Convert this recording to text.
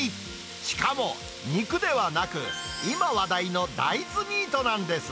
しかも肉ではなく、今話題の大豆ミートなんです。